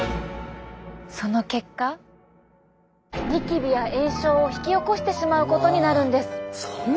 その結果ニキビや炎症を引き起こしてしまうことになるんです。